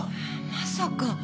まさか。